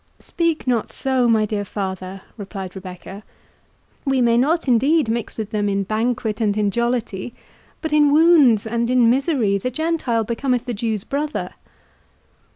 "Speak not so, my dear father," replied Rebecca; "we may not indeed mix with them in banquet and in jollity; but in wounds and in misery, the Gentile becometh the Jew's brother."